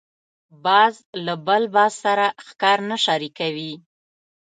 باز له بل باز سره ښکار نه شریکوي